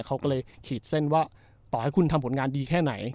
เขาก็เลยขีดเส้นว่าต่อให้คุณทำผลงานดีแค่ไหน